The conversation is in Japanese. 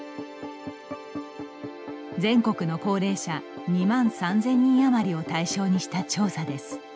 全国の高齢者２万３０００人余りを対象にした調査です。